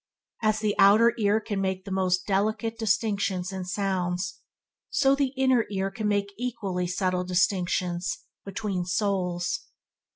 As the outer ear can make the most delicate distinctions in sounds, so the inner ear can make equally subtle distinctions between souls.